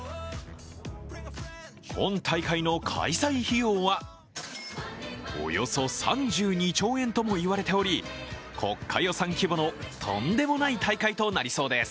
今大会の開催費用は、およそ３２兆円とも言われており、国家予算規模のとんでもない大会となりそうです。